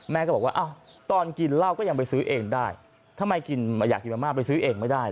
ก็บอกว่าตอนกินเหล้าก็ยังไปซื้อเองได้ทำไมกินอยากกินมาม่าไปซื้อเองไม่ได้